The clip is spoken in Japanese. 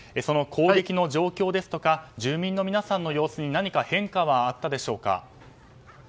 攻撃の状況ですとか住民の皆さんの様子に何か変化はあったでしょうか。